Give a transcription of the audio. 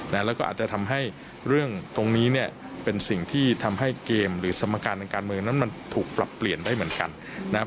แล้วก็อาจจะทำให้เรื่องตรงนี้เนี่ยเป็นสิ่งที่ทำให้เกมหรือสมการทางการเมืองนั้นมันถูกปรับเปลี่ยนได้เหมือนกันนะครับ